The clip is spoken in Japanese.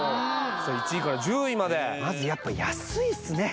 さっ１位から１０位までまずやっぱ安いっすね